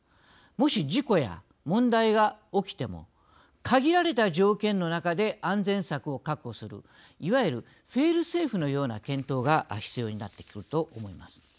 もし、事故や問題が起きても限られた条件の中で安全策を確保する、いわゆるフェールセーフのような検討が必要になってくると思います。